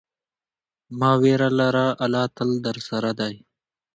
مه ویره لره، الله تل درسره دی.